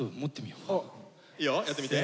いいよやってみて。